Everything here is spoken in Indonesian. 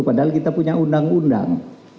padahal kita punya undang undang